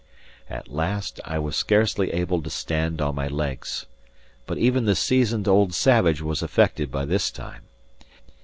At last I was scarcely able to stand on my legs. But even the seasoned old savage was affected by this time.